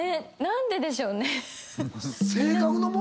何ででしょうね。